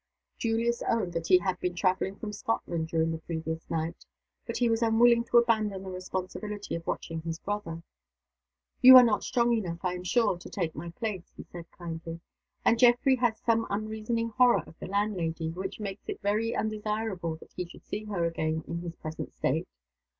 Julius owned that he had been traveling from Scotland during the previous night. But he was unwilling to abandon the responsibility of watching his brother. "You are not strong enough, I am sure, to take my place," he said, kindly. "And Geoffrey has some unreasoning horror of the landlady which makes it very undesirable that he should see her again, in his present state.